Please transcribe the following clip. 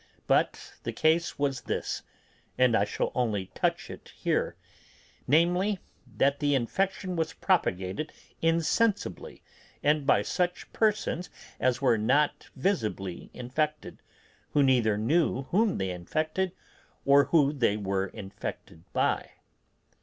But the case was this (and I shall only touch it here): namely, that the infection was propagated insensibly, and by such persons as were not visibly infected, who neither knew whom they infected or who they were infected by.